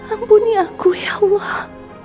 ampuni aku ya allah